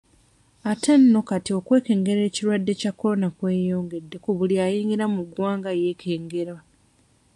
Ate nno kati okwekengera ekirwadde kya Corona kweyongedde ku buli ayingira mu ggwanga yeekengerwa.